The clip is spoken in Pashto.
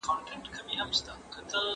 نو په شعر به دي حنان بارک امام سي